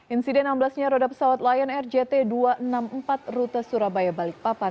insiden amblasnya roda pesawat lion air jt dua ratus enam puluh empat rute surabaya balikpapan